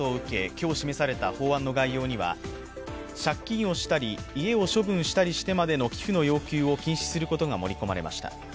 今日示された法案の概要には、借金をしたり、家を処分したりしてまでの寄付の要求を禁止することが盛り込まれました。